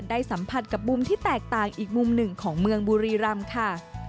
สัมผัสกับมุมที่แตกต่างอีกมุมหนึ่งของเมืองบุรีรำค่ะ